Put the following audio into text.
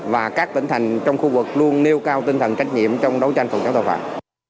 và các tỉnh thành trong khu vực luôn nêu cao tinh thần trách nhiệm trong đấu tranh phòng chống tội phạm